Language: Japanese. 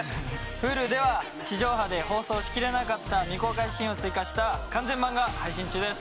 Ｈｕｌｕでは地上波で放送しきれなかった未公開シーンを追加した完全版が配信中です。